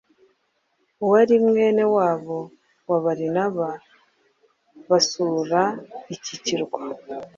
wari mwene wabo wa Barnaba basura iki kirwa.